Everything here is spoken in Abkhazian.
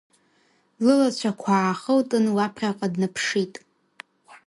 Лылацәақәа аахылтын лаԥхьаҟа днаԥшит…